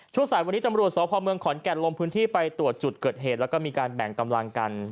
สายวันนี้ตำรวจสพเมืองขอนแก่นลงพื้นที่ไปตรวจจุดเกิดเหตุแล้วก็มีการแบ่งกำลังกัน